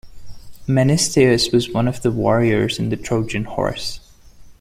Menestheus was one of the warriors in the Trojan Horse.